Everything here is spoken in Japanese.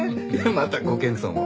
またご謙遜を。